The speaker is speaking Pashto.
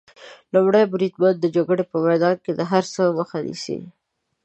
لومړی بریدمن د جګړې په میدان کې د هر څه مخه نیسي.